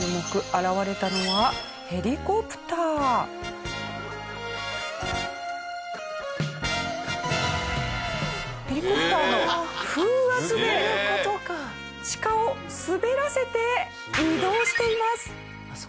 現れたのはヘリコプターの風圧でシカを滑らせて移動しています。